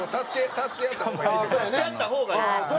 助け合った方がいいよ。